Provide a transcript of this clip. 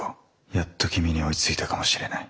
やっと君に追いついたかもしれない。